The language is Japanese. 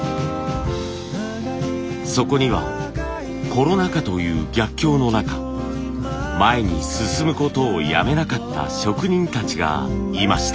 そこにはコロナ禍という逆境の中前に進むことをやめなかった職人たちがいました。